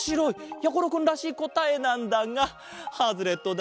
やころくんらしいこたえなんだがハズレットだ。